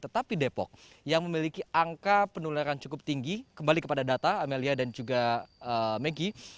tetapi depok yang memiliki angka penularan cukup tinggi kembali kepada data amelia dan juga megi